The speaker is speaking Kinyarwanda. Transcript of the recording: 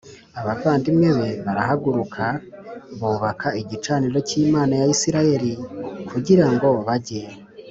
abavandimwe be barahaguruka bubaka igicaniro cy Imana ya Isirayeli kugira ngo bajye